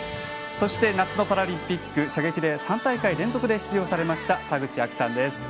そして、夏のパラリンピック射撃で３大会連続で出場されました田口亜希さんです。